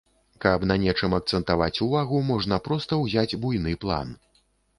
Каб на нечым акцэнтаваць увагу, можна проста ўзяць буйны план.